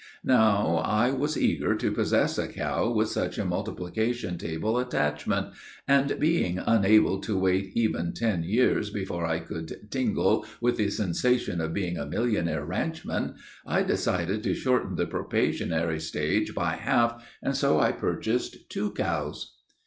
Now, I was eager to possess a cow with such a multiplication table attachment, and, being unable to wait even ten years before I could tingle with the sensation of being a millionnaire ranchman. I decided to shorten the probationary stage by half, and so I purchased two cows."